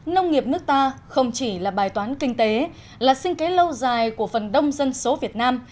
nông nghiệp nước ta không chỉ là bài toán kinh tế là sinh kế lâu dài của phần đông dân số việt nam